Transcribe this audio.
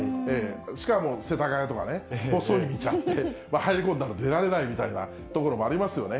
しかも世田谷とかね、細い道あって、入り込んだら出られないみたいな所もありますよね。